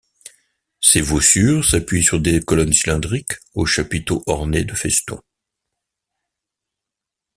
Ses voussures s'appuient sur des colonnes cylindriques aux chapiteaux ornés de festons.